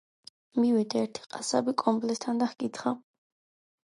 მივიდა ერთი ყასაბი კომბლესთან და ჰკითხა: